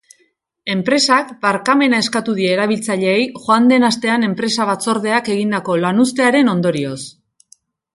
Enpresak barkamena eskatu die erabiltzaileei joan den astean enpresa batzordeak egindako lanuztearen ondorioz.